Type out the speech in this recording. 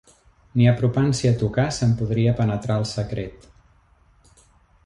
Ni apropant-s'hi a tocar, se'n podria penetrar el secret